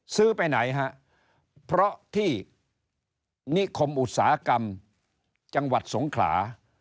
ไปไหนฮะเพราะที่นิคมอุตสาหกรรมจังหวัดสงขลา